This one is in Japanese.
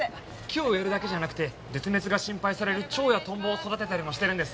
木を植えるだけじゃなくて絶滅が心配されるチョウやトンボを育てたりもしてるんです。